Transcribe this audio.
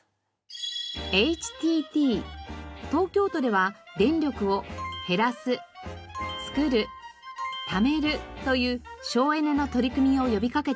東京都では電力を「へらす」「つくる」「ためる」という省エネの取り組みを呼び掛けています。